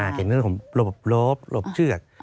เนื่องจากผมหลบรวบหลบเชือก